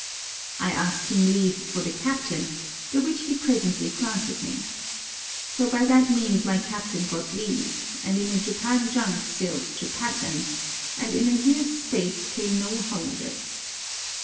I asked him leave for the captain, the which he presently granted me. So by that means my captain got leave, and in a Japan junk sailed to Pattan; and in a year's space came no Hollanders.